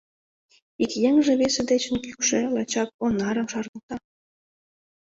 Ик еҥже весе дечын кӱкшӧ, лачак Онарым шарныкта...